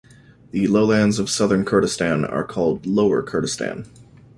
The lowlands of southern Kurdistan are called lower Kurdistan.